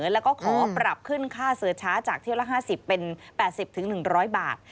แล้วก็ขอปรับขึ้นค่าเสือช้าจากเที่ยวละ๕๐เป็น๘๐๑๐๐บาท